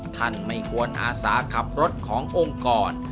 ท่านไม่ควรอาสาขับรถขององค์กร